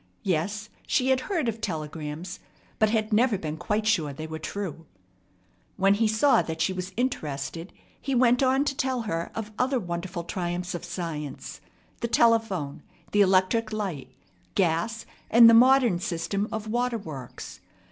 Yes, she had heard of telegrams, but had never been quite sure they were true. When he saw that she was interested, he went on to tell her of other wonderful triumphs of science, the telephone, the electric light, gas, and the modern system of water works.